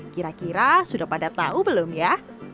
kira kira sudah pada tahu belum ya